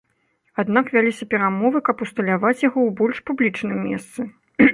Аднак вяліся перамовы, каб усталяваць яго ў больш публічным месцы.